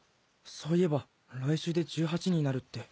そういえば来週で１８になるって。